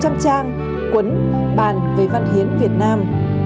cuốn bàn về văn hiến việt nam